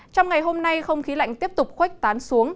trong ngày hôm nay không khí lạnh tiếp tục khuếch tán xuống